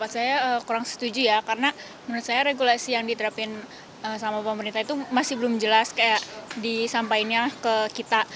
saya kurang setuju ya karena menurut saya regulasi yang diterapkan sama pemerintah itu masih belum jelas kayak disampaikannya ke kita